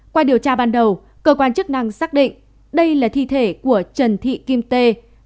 qua điều tra ban đầu cơ quan chức năng xác định đây là thi thể của trần thị kim tê